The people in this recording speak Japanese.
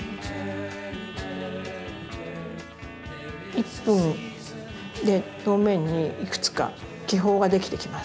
１分で表面にいくつか気泡ができてきます。